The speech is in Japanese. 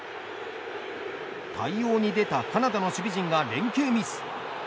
対応に出たカナダの守備陣が連係ミス。